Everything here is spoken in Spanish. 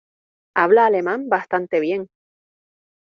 Habla alemán bastante bien.